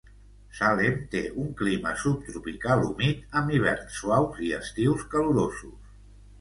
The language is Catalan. Salem té un clima subtropical humit amb hiverns suaus i estius calorosos.